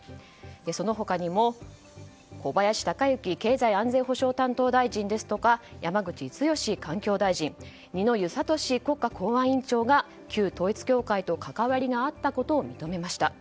その他にも小林鷹之経済安全保障担当大臣ですとか山口壯環境大臣二之湯智国家公安委員長が旧統一教会と関わりがあったことを認めました。